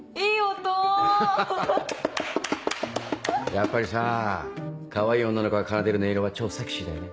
やっぱりさかわいい女の子が奏でる音色は超セクシーだよね。